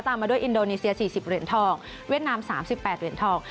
มาด้วยอินโดนีเซีย๔๐เหรียญทองเวียดนาม๓๘เหรียญทอง